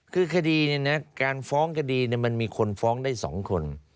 คือคดีการฟ้องคดีมันมีคนฟ้องได้๒คน